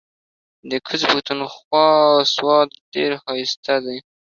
ده کوزی پښتونخوا سوات ډیر هائسته دې